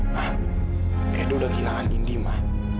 mbak edo sudah kehilangan indi mbak